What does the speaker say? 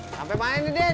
sampe main udin